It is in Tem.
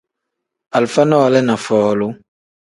Alifa nole ni folu.